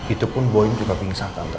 itupun boyin juga pingsan tante